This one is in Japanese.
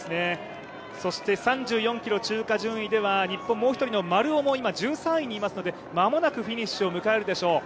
そして３４ｋｍ通過順位では日本、もう一人の丸尾も今１３位にいますので間もなくフィニッシュを迎えるでしょう。